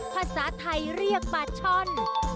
ภาษาไทยเรียกบาชล